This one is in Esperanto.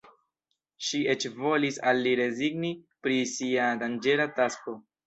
Ŝi eĉ volis al li rezigni pri sia danĝera tasko.